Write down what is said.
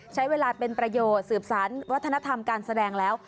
ใช้เวลาเป็นประโยชน์สืบสารวัฒนธรรมการแสดงแล้ว